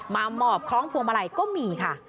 หมอบคล้องพวงมาลัยก็มีค่ะ